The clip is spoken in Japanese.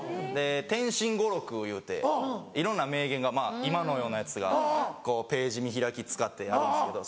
『天心語録』いうていろんな名言が今のようなやつがこうページ見開き使ってあるんですけど。